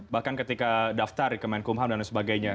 bahkan ketika daftar recommend kumham dan lain sebagainya